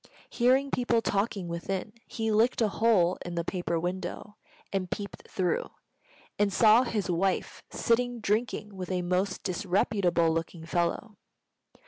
Hearing people talking within, he licked a hole in the paper window and peeped through, and saw his wife sitting drinking with a most disreputable looking fellow.